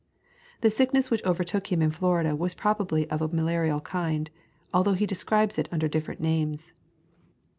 The sickness which overtook him in Florida was probably of a malarial kind, although he describes it under different names.